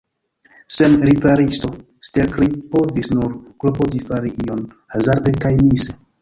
Sen riparisto, Stelkri povis nur klopodi fari ion, hazarde kaj mise.